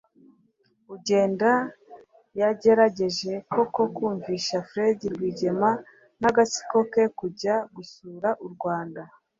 uganda yagerageje koko kumvisha fred rwigema n'agatsiko ke kujya gusura u rwanda